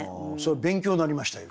勉強になりましたよ